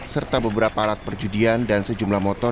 serta beberapa alat perjudian dan sejumlah motor